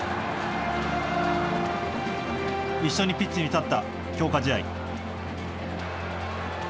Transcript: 一緒にピッチに立った強化試合。